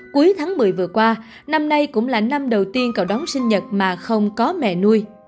cuối tháng một mươi vừa qua năm nay cũng là năm đầu tiên cậu đón sinh nhật mà không cầu nguyện cho mẹ